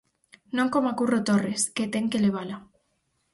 Non coma Curro Torres, que ten que levala.